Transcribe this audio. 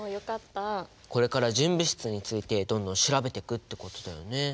これから純物質についてどんどん調べていくってことだよね。